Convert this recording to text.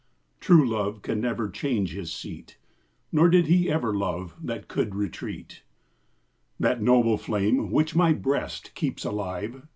True love can never change his seat ; Nor did he ever love that can retreat. That noble flame, which my Ijreast keeps alive.